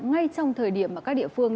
ngay trong thời điểm các địa phương